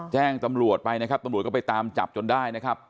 แจ้งตำรวจไปนะครับตำรวจก็ไปตามจับจนได้นะครับ